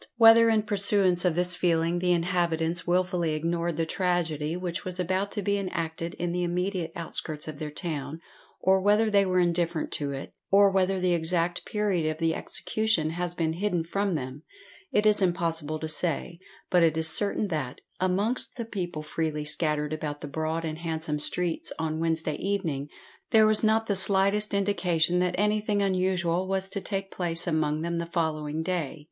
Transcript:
Whether in pursuance of this feeling the inhabitants wilfully ignored the tragedy which was about to be enacted in the immediate outskirts of their town, or whether they were indifferent to it, or whether the exact period of the execution has been hidden from them, it is impossible to say; but it is certain that, amongst the people freely scattered about the broad and handsome streets on Wednesday evening, there was not the slightest indication that anything unusual was to take place among them the following day.